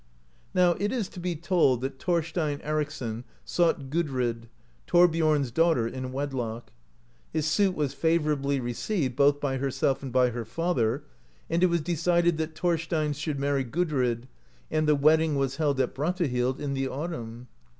Now it is to be told that Thorstein Ericsson sought Gudrid, Thorbiom's daughter, in wedlock. His suit was favourably received both by herself and by her father, and it was decided that Thorstein should marry Gudrid, and the wedding was held at Brattahlid in the autumn.